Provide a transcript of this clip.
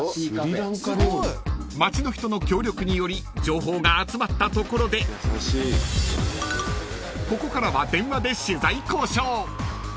［街の人の協力により情報が集まったところでここからは電話で取材交渉］